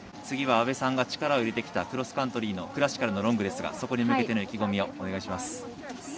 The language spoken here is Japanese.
次は阿部さんが力を入れてきたクロスカントリーのクラシカルのロングですがそこに向けての意気込みをお願いします。